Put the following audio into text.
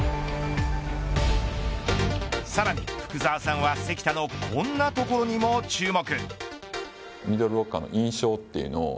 さらに福澤さんは関田のこんなところにも注目。